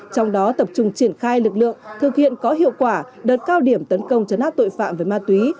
trong đó tập trung triển khai lực lượng thực hiện có hiệu quả đợt cao điểm tấn công chấn áp tội phạm về ma túy